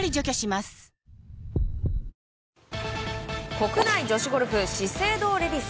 国内女子ゴルフ資生堂レディス。